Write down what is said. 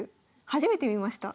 初めて見ました。